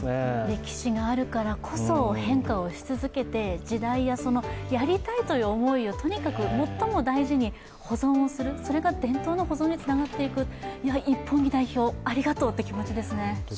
歴史があるからこそ、変化をし続けて、時代や、やりたいという思いをとにかく最も大事に保存をするそれが伝統の保存につながっていく一本木代表、ありがとうっていう気持ちですね。